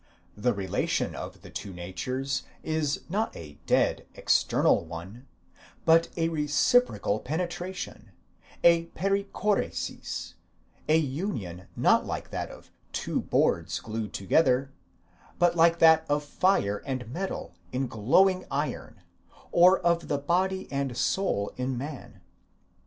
The relation of the two natures is not a dead, external one, but a reciprocal penetration, a περιχώρησις ; an union not like that of two boards glued together, but like that of fire and metal in glowing iron, or of the body and soul in man.